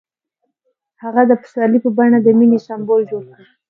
هغه د پسرلی په بڼه د مینې سمبول جوړ کړ.